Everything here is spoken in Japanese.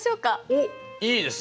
おっいいですね！